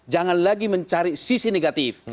jangan lagi mencari sisi negatif